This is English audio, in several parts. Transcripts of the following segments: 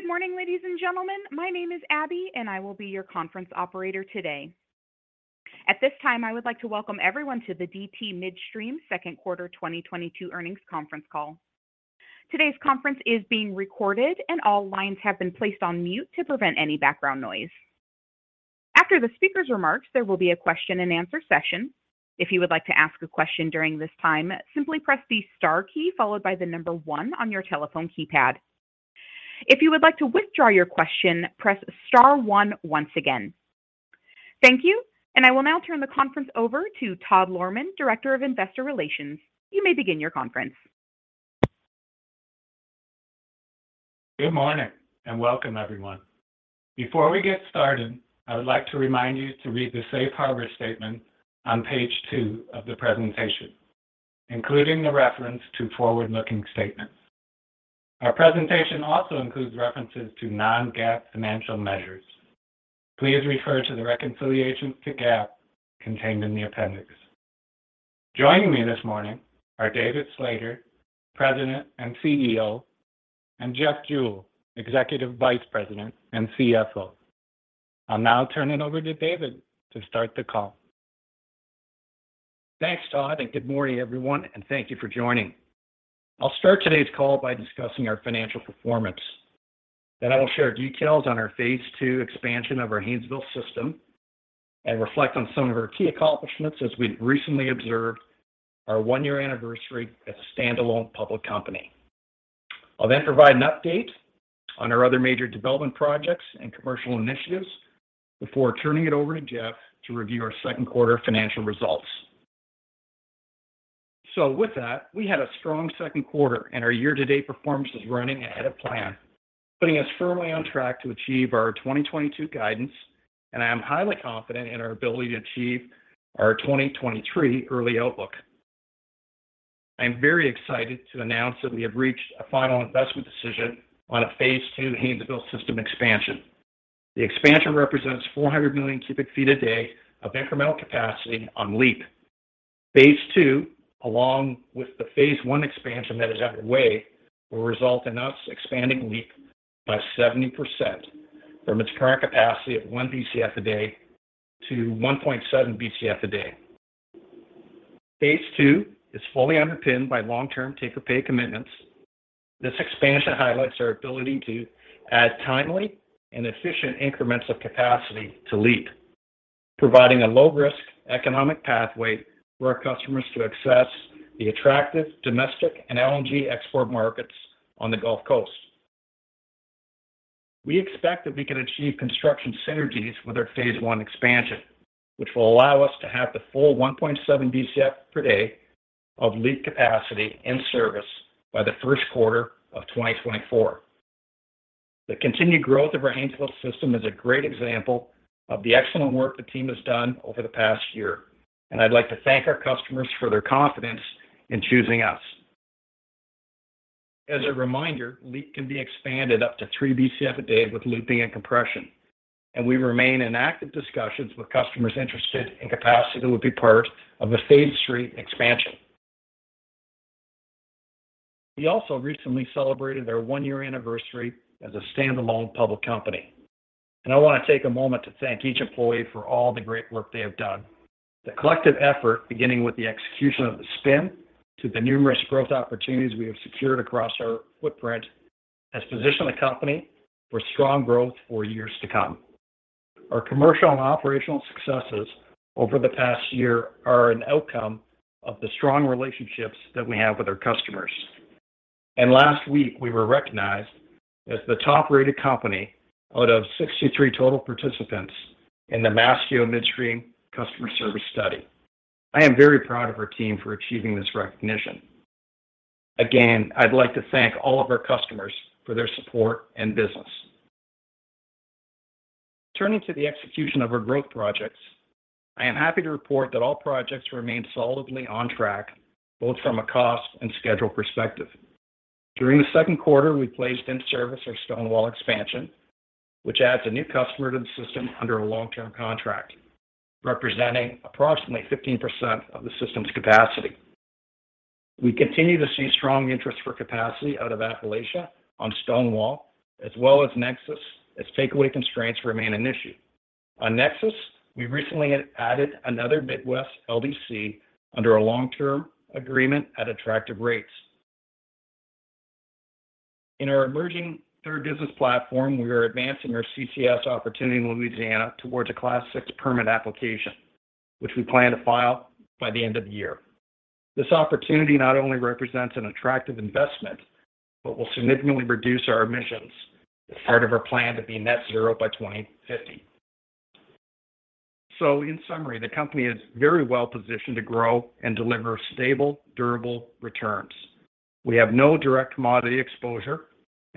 Good morning, ladies and gentlemen. My name is Abby, and I will be your conference operator today. At this time, I would like to welcome everyone to the DT Midstream second quarter 2022 earnings conference call. Today's conference is being recorded and all lines have been placed on mute to prevent any background noise. After the speaker's remarks, there will be a question and answer session. If you would like to ask a question during this time, simply press the star key followed by the number one on your telephone keypad. If you would like to withdraw your question, press star one once again. Thank you, and I will now turn the conference over to Todd Lohrmann, Director of Investor Relations. You may begin your conference. Good morning and welcome everyone. Before we get started, I would like to remind you to read the safe harbor statement on page two of the presentation, including the reference to forward-looking statements. Our presentation also includes references to non-GAAP financial measures. Please refer to the reconciliations to GAAP contained in the appendix. Joining me this morning are David Slater, President and CEO, and Jeff Jewell, Executive Vice President and CFO. I'll now turn it over to David to start the call. Thanks, Todd, and good morning everyone, and thank you for joining. I'll start today's call by discussing our financial performance. Then I will share details on our phase two expansion of our Haynesville system and reflect on some of our key accomplishments as we recently observed our one-year anniversary as a standalone public company. I'll then provide an update on our other major development projects and commercial initiatives before turning it over to Jeff to review our second quarter financial results. With that, we had a strong second quarter and our year-to-date performance is running ahead of plan, putting us firmly on track to achieve our 2022 guidance, and I am highly confident in our ability to achieve our 2023 early outlook. I am very excited to announce that we have reached a final investment decision on a phase two Haynesville system expansion. The expansion represents 400 million cubic feet a day of incremental capacity on LEAP. Phase two, along with the phase one expansion that is underway, will result in us expanding LEAP by 70% from its current capacity of 1 BCF a day to 1.7 BCF a day. Phase two is fully underpinned by long-term take-or-pay commitments. This expansion highlights our ability to add timely and efficient increments of capacity to LEAP, providing a low-risk economic pathway for our customers to access the attractive domestic and LNG export markets on the Gulf Coast. We expect that we can achieve construction synergies with our phase one expansion, which will allow us to have the full 1.7 BCF per day of LEAP capacity in service by the first quarter of 2024. The continued growth of our Haynesville system is a great example of the excellent work the team has done over the past year, and I'd like to thank our customers for their confidence in choosing us. As a reminder, LEAP can be expanded up to 3 BCF a day with looping and compression, and we remain in active discussions with customers interested in capacity that will be part of a phase three expansion. We also recently celebrated our 1-year anniversary as a standalone public company, and I wanna take a moment to thank each employee for all the great work they have done. The collective effort, beginning with the execution of the spin to the numerous growth opportunities we have secured across our footprint, has positioned the company for strong growth for years to come. Our commercial and operational successes over the past year are an outcome of the strong relationships that we have with our customers. Last week, we were recognized as the top-rated company out of 63 total participants in the Mastio Midstream customer service study. I am very proud of our team for achieving this recognition. Again, I'd like to thank all of our customers for their support and business. Turning to the execution of our growth projects, I am happy to report that all projects remain solidly on track, both from a cost and schedule perspective. During the second quarter, we placed in service our Stonewall expansion, which adds a new customer to the system under a long-term contract, representing approximately 15% of the system's capacity. We continue to see strong interest for capacity out of Appalachia on Stonewall as well as Nexus as takeaway constraints remain an issue. On Nexus, we recently added another Midwest LDC under a long-term agreement at attractive rates. In our emerging third business platform, we are advancing our CCS opportunity in Louisiana towards a Class VI permit application, which we plan to file by the end of the year. This opportunity not only represents an attractive investment, but will significantly reduce our emissions as part of our plan to be net zero by 2050. In summary, the company is very well positioned to grow and deliver stable, durable returns. We have no direct commodity exposure,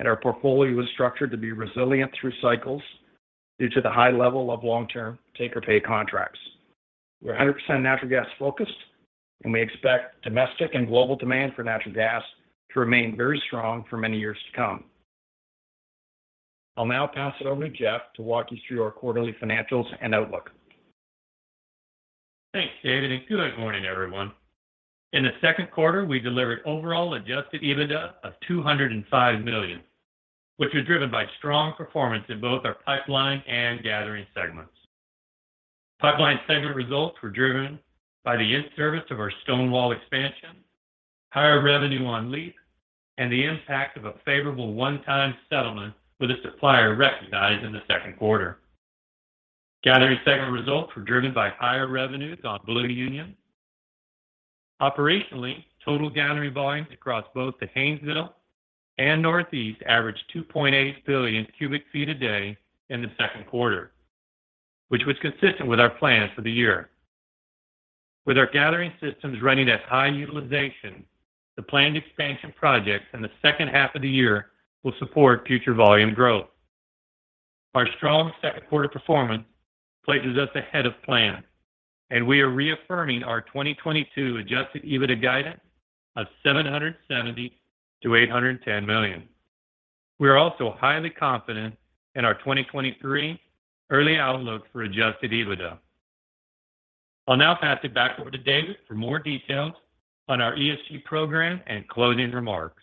and our portfolio is structured to be resilient through cycles due to the high level of long-term take-or-pay contracts. We're 100% natural gas focused, and we expect domestic and global demand for natural gas to remain very strong for many years to come. I'll now pass it over to Jeff to walk you through our quarterly financials and outlook. Thanks, David, and good morning, everyone. In the second quarter, we delivered overall adjusted EBITDA of $205 million, which was driven by strong performance in both our pipeline and gathering segments. Pipeline segment results were driven by the in-service of our Stonewall expansion, higher revenue on LEAP, and the impact of a favorable one-time settlement with a supplier recognized in the second quarter. Gathering segment results were driven by higher revenues on Blue Union. Operationally, total gathering volumes across both the Haynesville and Northeast averaged 2.8 billion cubic feet a day in the second quarter, which was consistent with our plans for the year. With our gathering systems running at high utilization, the planned expansion projects in the second half of the year will support future volume growth. Our strong second quarter performance places us ahead of plan, and we are reaffirming our 2022 adjusted EBITDA guidance of $770 million-$810 million. We are also highly confident in our 2023 early outlook for adjusted EBITDA. I'll now pass it back over to David for more details on our ESG program and closing remarks.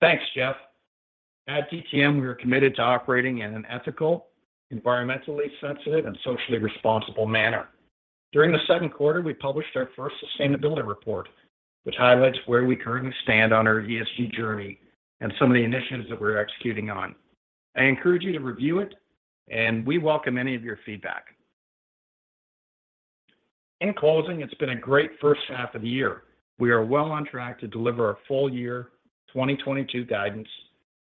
Thanks, Jeff. At DTM, we are committed to operating in an ethical, environmentally sensitive, and socially responsible manner. During the second quarter, we published our first sustainability report, which highlights where we currently stand on our ESG journey and some of the initiatives that we're executing on. I encourage you to review it, and we welcome any of your feedback. In closing, it's been a great first half of the year. We are well on track to deliver our full year 2022 guidance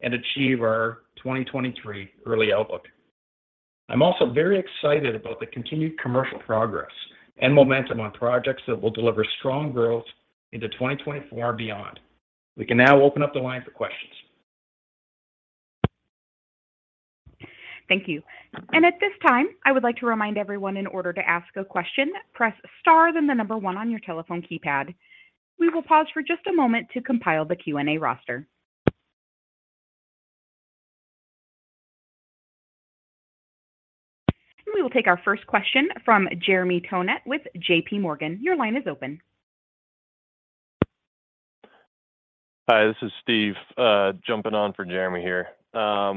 and achieve our 2023 early outlook. I'm also very excited about the continued commercial progress and momentum on projects that will deliver strong growth into 2024 and beyond. We can now open up the line for questions. Thank you. At this time, I would like to remind everyone in order to ask a question, press star then the number one on your telephone keypad. We will pause for just a moment to compile the Q&A roster. We will take our first question from Jeremy Tonet with JPMorgan. Your line is open. Hi, this is Steve jumping on for Jeremy here. I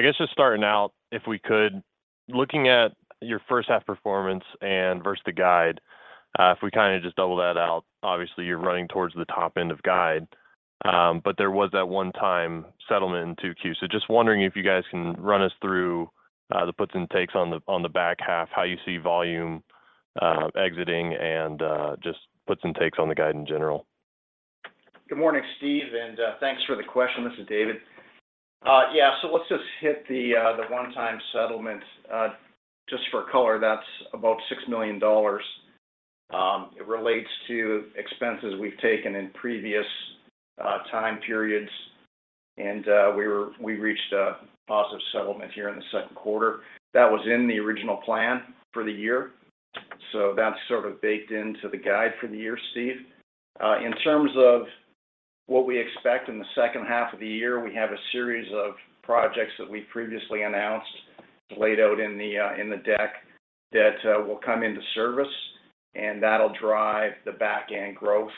guess just starting out, if we could, looking at your first half performance and versus the guide, if we kinda just double that out, obviously you're running towards the top end of guide. But there was that one-time settlement in 2Q. Just wondering if you guys can run us through the puts and takes on the back half, how you see volume exiting, and just puts and takes on the guide in general. Good morning, Steve, and thanks for the question. This is David. Yeah. Let's just hit the one-time settlement. Just for color, that's about $6 million. It relates to expenses we've taken in previous time periods, and we reached a positive settlement here in the second quarter. That was in the original plan for the year. That's sort of baked into the guide for the year, Steve. In terms of what we expect in the second half of the year, we have a series of projects that we previously announced, laid out in the deck that will come into service, and that'll drive the back-end growth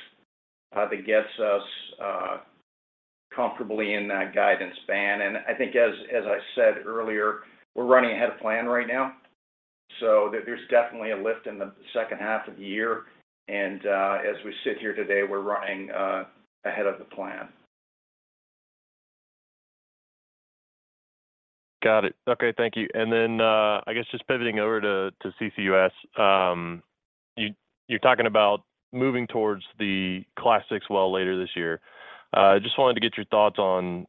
that gets us comfortably in that guidance band. I think as I said earlier, we're running ahead of plan right now. There's definitely a lift in the second half of the year. As we sit here today, we're running ahead of the plan. Got it. Okay. Thank you. I guess just pivoting over to CCUS. You're talking about moving towards the Class VI well later this year. Just wanted to get your thoughts on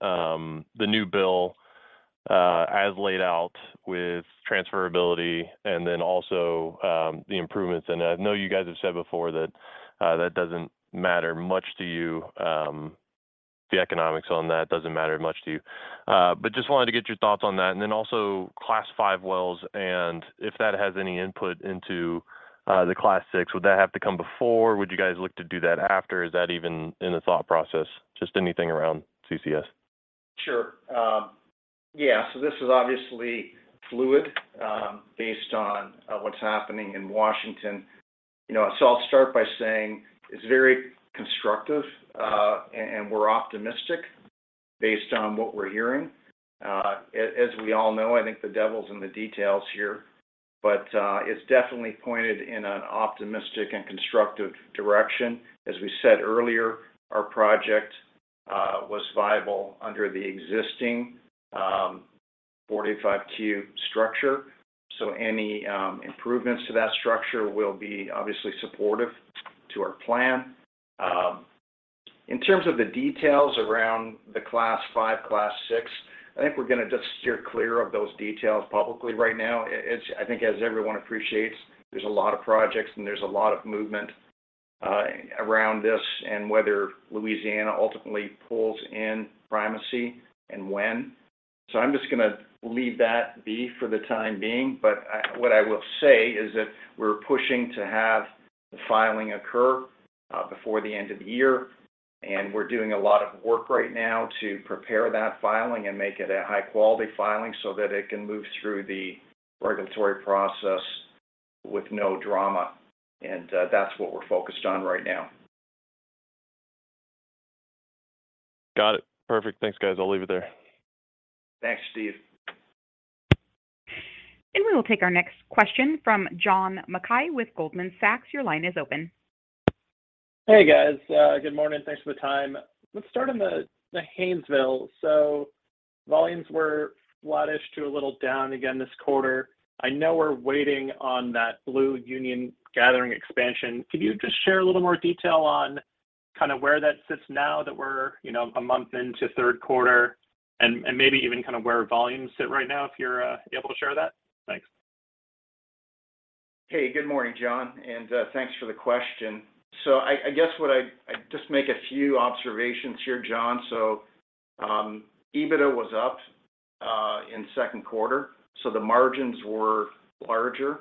the new bill as laid out with transferability and then also the improvements. I know you guys have said before that that doesn't matter much to you. The economics on that doesn't matter much to you. Just wanted to get your thoughts on that. Class V wells and if that has any input into the Class VI. Would that have to come before? Would you guys look to do that after? Is that even in the thought process? Just anything around CCUS. Sure. Yeah. This is obviously fluid based on what's happening in Washington. You know, I'll start by saying it's very constructive, and we're optimistic based on what we're hearing. As we all know, I think the devil's in the details here, but it's definitely pointed in an optimistic and constructive direction. As we said earlier, our project was viable under the existing 45Q structure. Any improvements to that structure will be obviously supportive to our plan. In terms of the details around the Class V, Class VI, I think we're gonna just steer clear of those details publicly right now. I think as everyone appreciates, there's a lot of projects, and there's a lot of movement around this and whether Louisiana ultimately pulls in primacy and when. I'm just gonna leave that be for the time being. What I will say is that we're pushing to have the filing occur before the end of the year. We're doing a lot of work right now to prepare that filing and make it a high-quality filing so that it can move through the regulatory process with no drama. That's what we're focused on right now. Got it. Perfect. Thanks, guys. I'll leave it there. Thanks, Steve. We will take our next question from John Mackay with Goldman Sachs. Your line is open. Hey, guys. Good morning. Thanks for the time. Let's start on the Haynesville. Volumes were flattish to a little down again this quarter. I know we're waiting on that Blue Union gathering expansion. Can you just share a little more detail on kind of where that sits now that we're a month into third quarter and maybe even kind of where volumes sit right now, if you're able to share that? Thanks. Hey, good morning, John, and thanks for the question. I guess I just make a few observations here, John. EBITDA was up in second quarter, so the margins were larger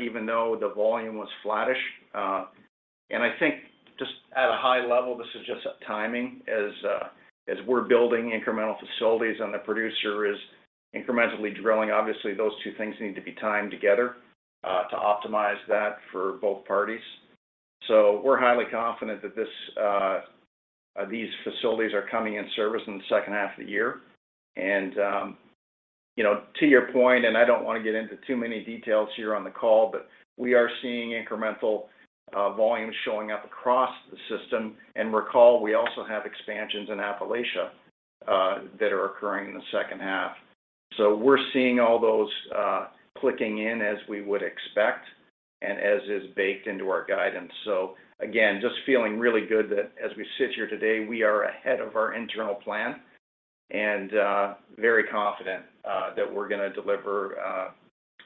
even though the volume was flattish. I think just at a high level, this is just timing as we're building incremental facilities and the producer is incrementally drilling. Obviously, those two things need to be timed together to optimize that for both parties. We're highly confident that these facilities are coming in service in the second half of the year. To your point, and I don't want to get into too many details here on the call, but we are seeing incremental volumes showing up across the system. Recall, we also have expansions in Appalachia that are occurring in the second half. We're seeing all those clicking in as we would expect and as is baked into our guidance. Again, just feeling really good that as we sit here today, we are ahead of our internal plan and very confident that we're gonna deliver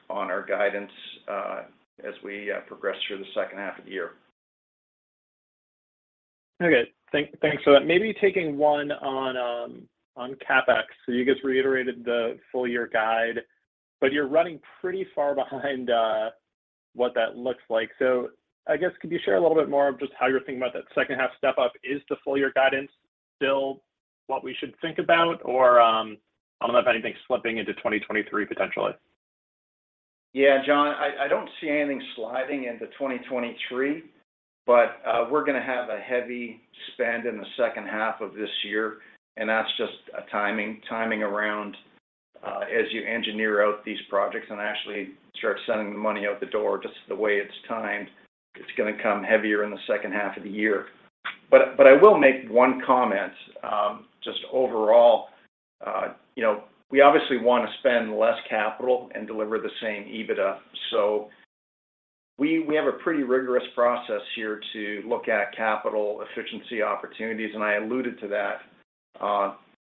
on our guidance as we progress through the second half of the year. Okay. Thanks for that. Maybe taking one on CapEx. You just reiterated the full year guide, but you're running pretty far behind what that looks like. I guess could you share a little bit more of just how you're thinking about that second half step up? Is the full year guidance still what we should think about? Or I don't know if anything's slipping into 2023 potentially. Yeah, John, I don't see anything sliding into 2023, but we're gonna have a heavy spend in the second half of this year, and that's just a timing around as you engineer out these projects and actually start sending the money out the door, just the way it's timed. It's gonna come heavier in the second half of the year. I will make one comment. Just overall, you know, we obviously wanna spend less capital and deliver the same EBITDA. We have a pretty rigorous process here to look at capital efficiency opportunities, and I alluded to that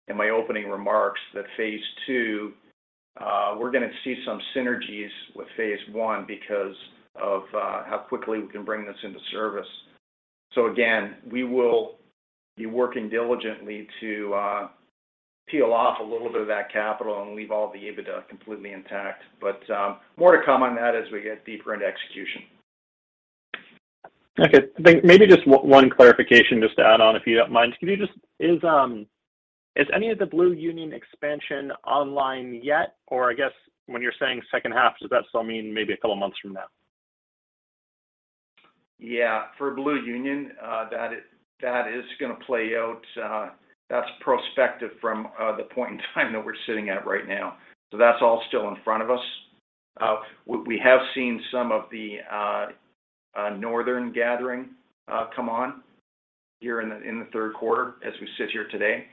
in my opening remarks, that phase two we're gonna see some synergies with phase one because of how quickly we can bring this into service. Again, we will be working diligently to peel off a little bit of that capital and leave all the EBITDA completely intact. More to come on that as we get deeper into execution. Okay. I think maybe just one clarification just to add on, if you don't mind. Is any of the Blue Union expansion online yet? Or I guess when you're saying second half, does that still mean maybe a couple of months from now? Yeah. For Blue Union, that is gonna play out. That's prospective from the point in time that we're sitting at right now. That's all still in front of us. We have seen some of the Northern gathering come online here in the third quarter as we sit here today.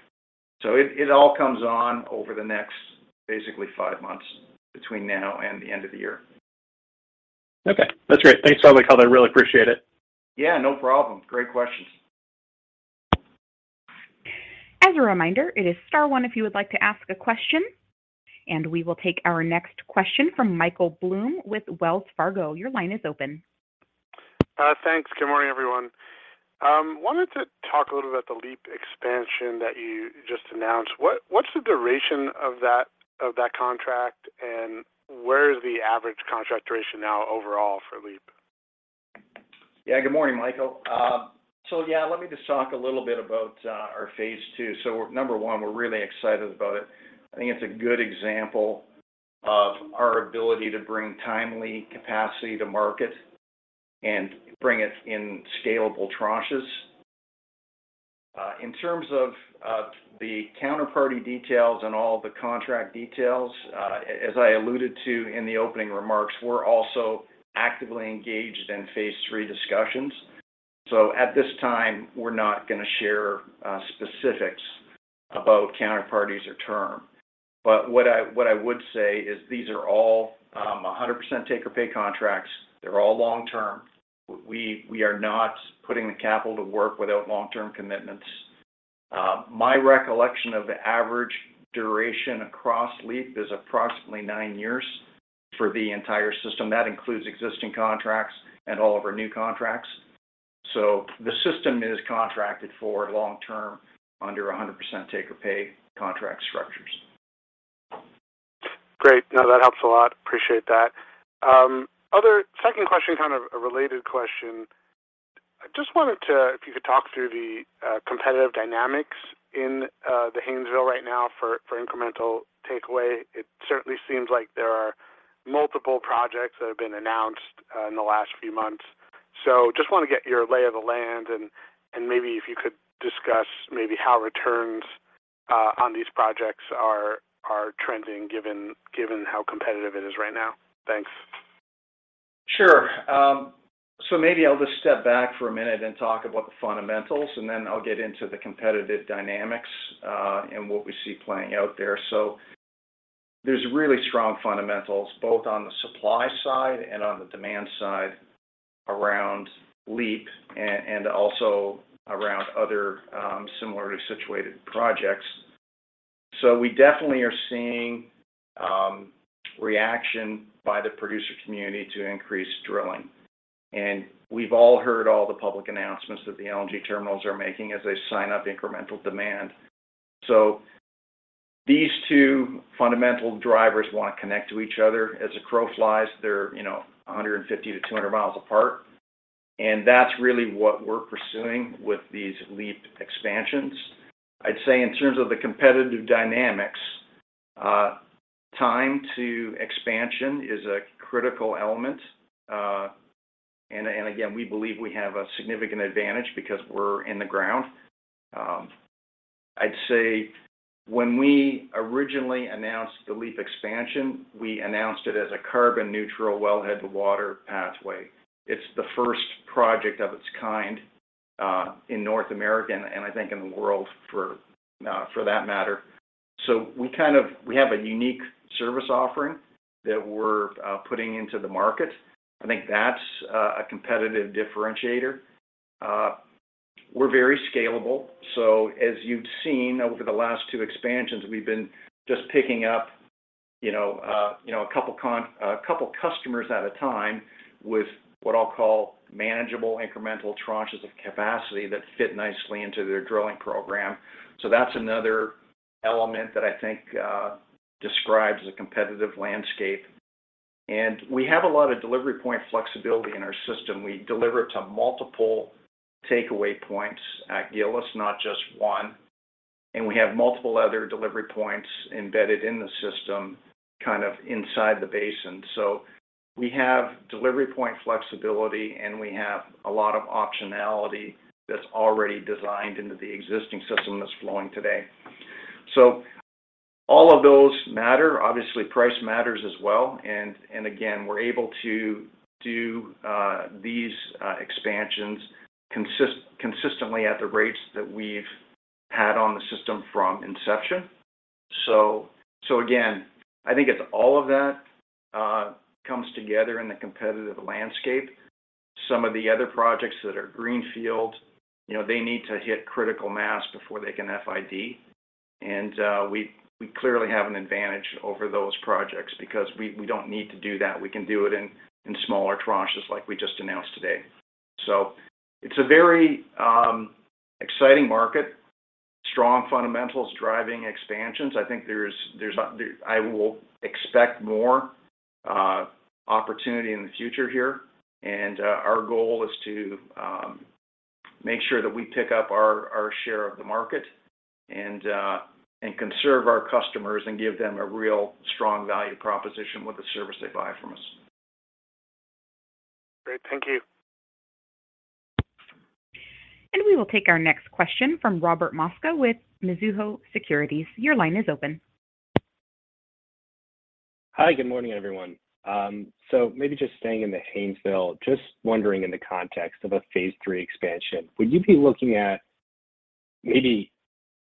It all comes online over the next basically five months between now and the end of the year. Okay. That's great. Thanks for all the help. I really appreciate it. Yeah, no problem. Great questions. As a reminder, it is star one if you would like to ask a question. We will take our next question from Michael Blum with Wells Fargo. Your line is open. Thanks. Good morning, everyone. Wanted to talk a little about the LEAP expansion that you just announced. What's the duration of that contract? Where is the average contract duration now overall for LEAP? Yeah. Good morning, Michael. Yeah, let me just talk a little bit about our phase two. Number one, we're really excited about it. I think it's a good example of our ability to bring timely capacity to market and bring it in scalable tranches. In terms of the counterparty details and all the contract details, as I alluded to in the opening remarks, we're also actively engaged in phase three discussions. At this time, we're not gonna share specifics about counterparties or term. But what I would say is these are all 100% take-or-pay contracts. They're all long-term. We are not putting the capital to work without long-term commitments. My recollection of the average duration across LEAP is approximately nine years for the entire system. That includes existing contracts and all of our new contracts. The system is contracted for long term under 100% take-or-pay contract structures. Great. No, that helps a lot. Appreciate that. Second question, kind of a related question. I just wanted to. If you could talk through the competitive dynamics in the Haynesville right now for incremental takeaway. It certainly seems like there are multiple projects that have been announced in the last few months. Just wanna get your lay of the land and maybe if you could discuss maybe how returns on these projects are trending given how competitive it is right now. Thanks. Sure. Maybe I'll just step back for a minute and talk about the fundamentals, and then I'll get into the competitive dynamics, and what we see playing out there. There's really strong fundamentals both on the supply side and on the demand side around LEAP and also around other, similarly situated projects. We definitely are seeing reaction by the producer community to increase drilling. We've all heard all the public announcements that the LNG terminals are making as they sign up incremental demand. These two fundamental drivers wanna connect to each other. As the crow flies, they're, you know, 150-200 miles apart, and that's really what we're pursuing with these LEAP expansions. I'd say in terms of the competitive dynamics, time to expansion is a critical element. Again, we believe we have a significant advantage because we're in the ground. I'd say when we originally announced the LEAP expansion, we announced it as a carbon neutral wellhead to water pathway. It's the first project of its kind in North America, and I think in the world for that matter. We have a unique service offering that we're putting into the market. I think that's a competitive differentiator. We're very scalable. As you've seen over the last two expansions, we've been just picking up, you know, you know, a couple customers at a time with what I'll call manageable incremental tranches of capacity that fit nicely into their drilling program. That's another element that I think describes the competitive landscape. We have a lot of delivery point flexibility in our system. We deliver to multiple takeaway points at Gillis, not just one. We have multiple other delivery points embedded in the system, kind of inside the basin. We have delivery point flexibility, and we have a lot of optionality that's already designed into the existing system that's flowing today. All of those matter. Obviously, price matters as well. Again, we're able to do these expansions consistently at the rates that we've had on the system from inception. Again, I think as all of that comes together in the competitive landscape, some of the other projects that are greenfield, you know, they need to hit critical mass before they can FID. We clearly have an advantage over those projects because we don't need to do that. We can do it in smaller tranches like we just announced today. It's a very exciting market. Strong fundamentals driving expansions. I think I will expect more opportunity in the future here. Our goal is to make sure that we pick up our share of the market and serve our customers and give them a real strong value proposition with the service they buy from us. Great. Thank you. We will take our next question from Robert Mosca with Mizuho Securities. Your line is open. Hi. Good morning, everyone. Maybe just staying in the Haynesville, just wondering in the context of a phase three expansion, would you be looking at maybe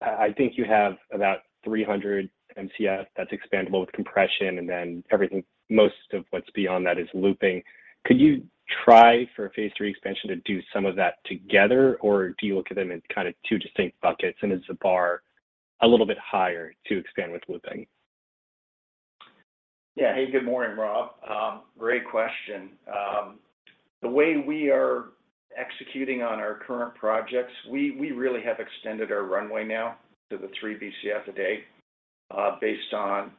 I think you have about 300 MCF that's expandable with compression, and then everything, most of what's beyond that is looping. Could you try for a phase three expansion to do some of that together, or do you look at them in kind of two distinct buckets? Is the bar a little bit higher to expand with looping? Yeah. Hey, good morning, Rob. Great question. The way we are executing on our current projects, we really have extended our runway now to the 3 BCF a day, based on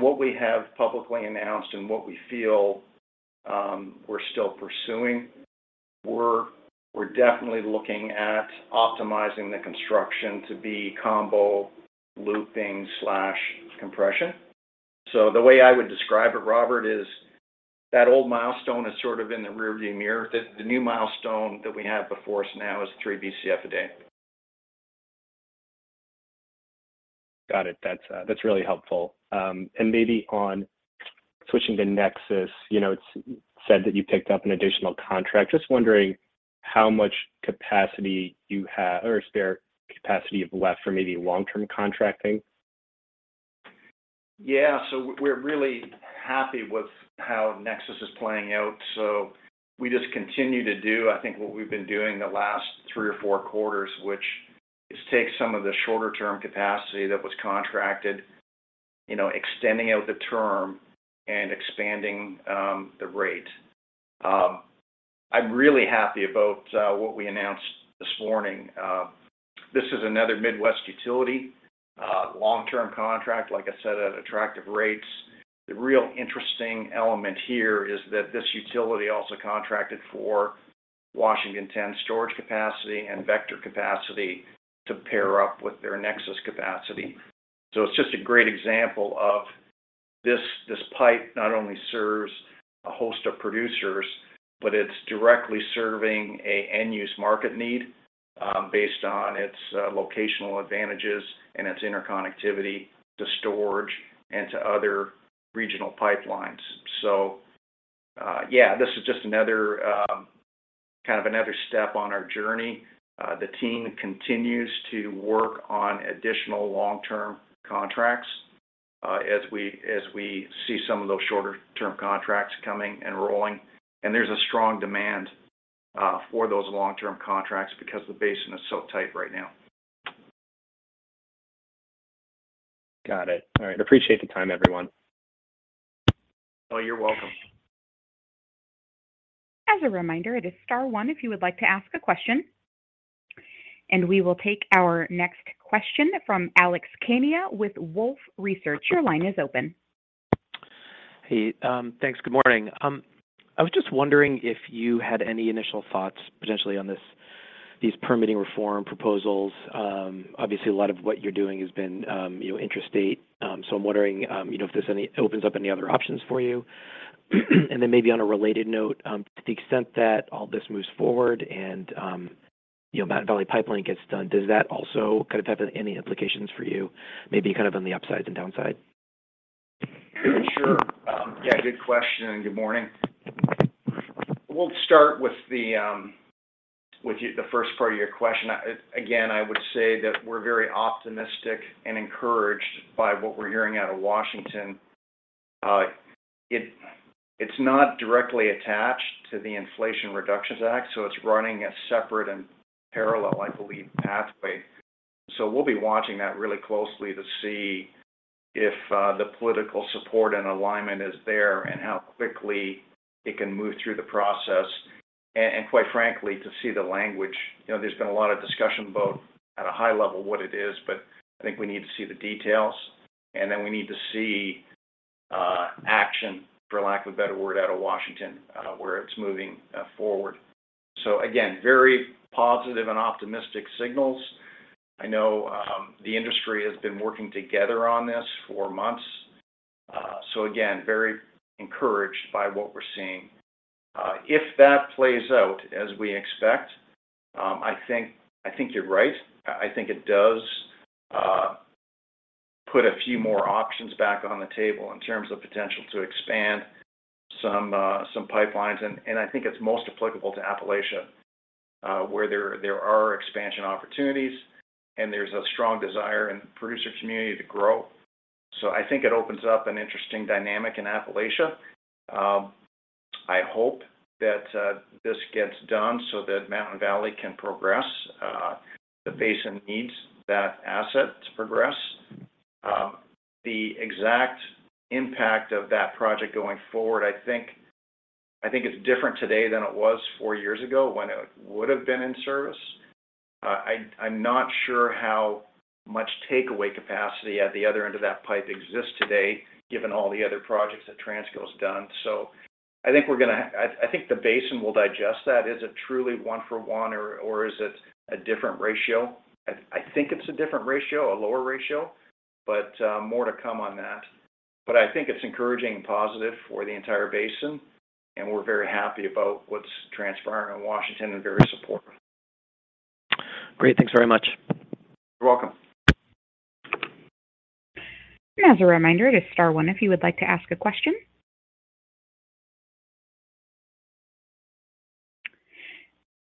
what we have publicly announced and what we feel, we're still pursuing. We're definitely looking at optimizing the construction to be combo looping/compression. The way I would describe it, Robert, is that old milestone is sort of in the rearview mirror. The new milestone that we have before us now is 3 BCF a day. Got it. That's really helpful. Maybe on switching to Nexus. You know, it's said that you picked up an additional contract. Just wondering how much capacity you have or spare capacity you have left for maybe long-term contracting. Yeah. We're really happy with how Nexus is playing out. We just continue to do, I think, what we've been doing the last three or four quarters, which is take some of the shorter term capacity that was contracted, you know, extending out the term and expanding the rate. I'm really happy about what we announced this morning. This is another Midwest utility long-term contract, like I said, at attractive rates. The really interesting element here is that this utility also contracted for Washington 10 storage capacity and Vector capacity to pair up with their Nexus capacity. It's just a great example of this pipe not only serves a host of producers, but it's directly serving an end-use market need based on its locational advantages and its interconnectivity to storage and to other regional pipelines. Yeah, this is just another step on our journey. The team continues to work on additional long-term contracts, as we see some of those shorter-term contracts coming and rolling. There's a strong demand for those long-term contracts because the basin is so tight right now. Got it. All right. Appreciate the time, everyone. Oh, you're welcome. As a reminder, it is star one if you would like to ask a question. We will take our next question from Alex Kania with Wolfe Research. Your line is open. Hey, thanks. Good morning. I was just wondering if you had any initial thoughts potentially on these permitting reform proposals. Obviously, a lot of what you're doing has been, you know, interstate. So I'm wondering, you know, if this opens up any other options for you. Then maybe on a related note, to the extent that all this moves forward and, you know, Mountain Valley Pipeline gets done, does that also kind of have any implications for you, maybe kind of on the upside and downside? Sure. Yeah, good question, and good morning. We'll start with the first part of your question. Again, I would say that we're very optimistic and encouraged by what we're hearing out of Washington. It's not directly attached to the Inflation Reduction Act, so it's running a separate and parallel, I believe, pathway. We'll be watching that really closely to see if the political support and alignment is there and how quickly it can move through the process and quite frankly, to see the language. You know, there's been a lot of discussion both at a high level what it is, but I think we need to see the details, and then we need to see action, for lack of a better word, out of Washington, where it's moving forward. Again, very positive and optimistic signals. I know, the industry has been working together on this for months. Again, very encouraged by what we're seeing. If that plays out as we expect, I think you're right. I think it does put a few more options back on the table in terms of potential to expand some pipelines. I think it's most applicable to Appalachia, where there are expansion opportunities and there's a strong desire in the producer community to grow. I think it opens up an interesting dynamic in Appalachia. I hope that this gets done so that Mountain Valley can progress. The basin needs that asset to progress. The exact impact of that project going forward, I think it's different today than it was four years ago when it would have been in service. I'm not sure how much takeaway capacity at the other end of that pipe exists today, given all the other projects that Transco has done. I think the basin will digest that. Is it truly one for one or is it a different ratio? I think it's a different ratio, a lower ratio, but more to come on that. I think it's encouraging and positive for the entire basin, and we're very happy about what's transpiring in Washington and very supportive. Great. Thanks very much. You're welcome. As a reminder, it is star one if you would like to ask a question.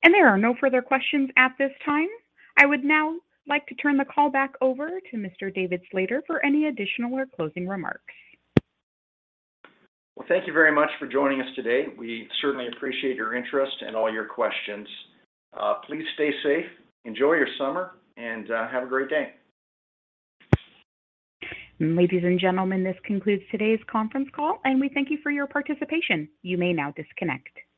There are no further questions at this time. I would now like to turn the call back over to Mr. David Slater for any additional or closing remarks. Well, thank you very much for joining us today. We certainly appreciate your interest and all your questions. Please stay safe, enjoy your summer, and have a great day. Ladies and gentlemen, this concludes today's conference call, and we thank you for your participation. You may now disconnect.